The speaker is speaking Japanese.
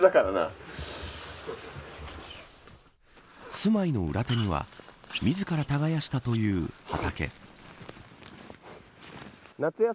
住まいの裏手には自ら耕したという畑。